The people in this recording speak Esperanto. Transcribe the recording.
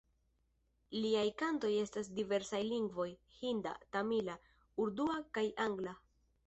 Liaj kantoj estas en diversaj lingvoj: hinda, tamila, urdua kaj angla.